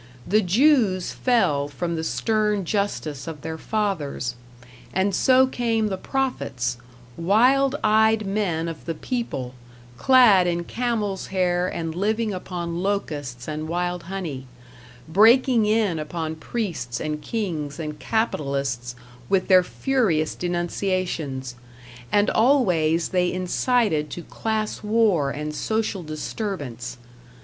The Jews fell from the stern justice of their fathers; and so came the prophets, wild eyed men of the people, clad in camel's hair and living upon locusts and wild honey, breaking in upon priests and kings and capitalists with their furious denunciations. And always they incited to class war and social disturbance.